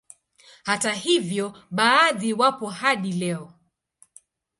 Hata hivyo baadhi wapo hadi leo